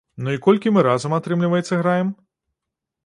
Ну і колькі мы разам атрымліваецца граем?